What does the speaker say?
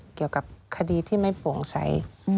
เกี่ยวกับคดีที่ไม่โปร่งใส